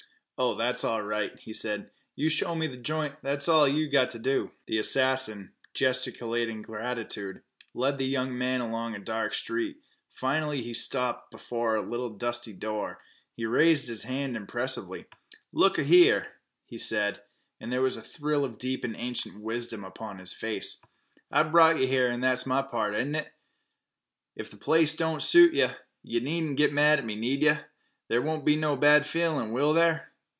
"Oh, that's all right," he said. "You show me th' joint that's all you've got t' do." The assassin, gesticulating gratitude, led the young man along a dark street. Finally he stopped before a little dusty door. He raised his hand impressively. "Look a here," he said, and there was a thrill of deep and ancient wisdom upon his face, "I've brought yeh here, an' that's my part, ain't it? If th' place don't suit yeh, yeh needn't git mad at me, need yeh? There won't be no bad feelin', will there?"